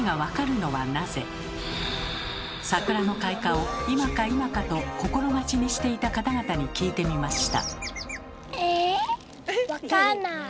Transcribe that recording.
桜の開花を今か今かと心待ちにしていた方々に聞いてみました。